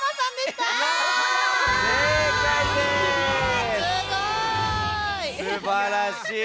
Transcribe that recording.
すばらしい！